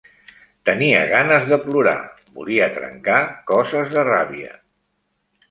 Tenia ganes de plorar, volia trencar coses de ràbia.